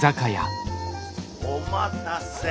お待たせ。